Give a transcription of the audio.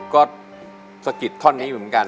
ก็สกิทว์ท่อนนี้เหมือนกัน